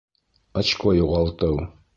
Очко юғалтыу